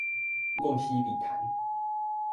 夢溪筆談